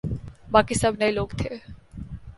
باقی سب نئے لوگ تھے۔